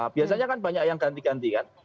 biasanya kan banyak yang ganti ganti kan